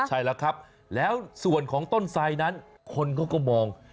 ใช่แล้วครับแล้วส่วนของต้นทรายนั้นคนเขาก็มอง